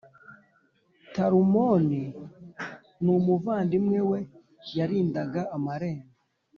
Talumoni numuvandimwe we yarindaga amarembo